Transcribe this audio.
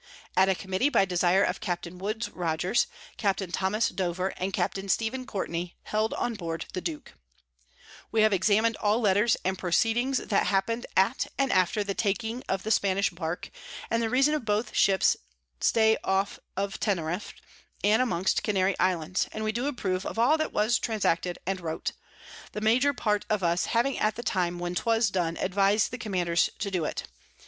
At a Committee by Desire of Capt. Woodes Rogers, Capt. Thomas Dover, and Capt. Stephen Courtney, held on board the Duke. [Sidenote: Differences with Mr. Carleton Vanbrugh.] We have examin'd all Letters and Proceedings that happen'd at and after the taking the Spanish Bark, and the Reason of both Ships Stay off of Teneriff, and amongst the Canary _Islands; and we do approve of all that was transacted and wrote: the major part of us having at the time when 'twas done advis'd the Commanders to it.